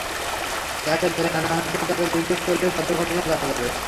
যাঁকে ধরে আনা হয়েছিল, তাঁকে জিজ্ঞেস করলেই সত্য ঘটনা জানা যাবে।